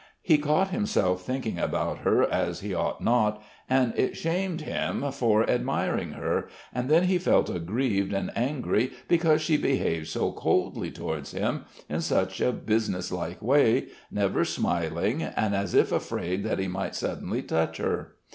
He caught himself thinking about her as he ought not and it shamed him, or admiring her, and then he felt aggrieved and angry because she behaved so coldly towards him, in such a businesslike way, never smiling and as if afraid that he might suddenly touch her.